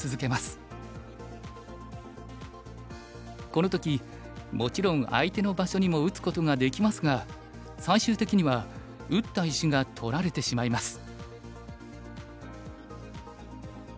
この時もちろん相手の場所にも打つことができますが最終的には打った石が取られてしまいます。